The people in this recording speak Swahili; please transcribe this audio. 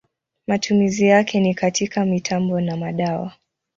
Matumizi yake ni katika mitambo na madawa.